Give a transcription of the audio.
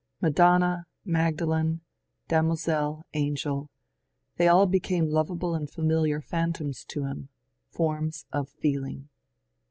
Madonna, Magdalene, damozel, angel, — they all became lovable and familiar phantoms to him, forms of feeling.